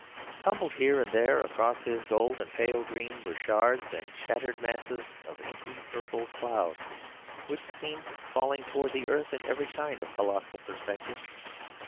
Tumbled here and there across this gold and pale green were shards and shattered masses of inky purple cloud, which seemed falling towards the earth in every kind of colossal perspective.